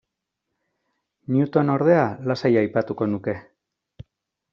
Newton, ordea, lasai aipatuko nuke.